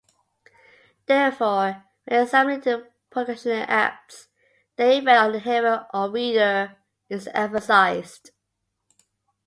Therefore, when examining perlocutionary acts, the effect on the hearer or reader is emphasized.